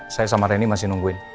saya sama reni masih nungguin